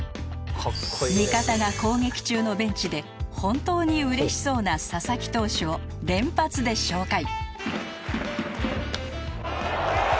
味方が攻撃中のベンチで本当に嬉しそうな佐々木投手を連発で紹介